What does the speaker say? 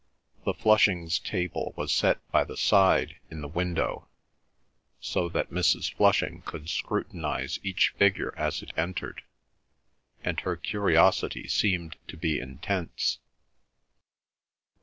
The Flushings' table was set by the side in the window, so that Mrs. Flushing could scrutinise each figure as it entered, and her curiosity seemed to be intense.